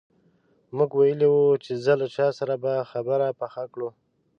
موږ ویلي وو چې ځه له چا سره به خبره پخه کړو.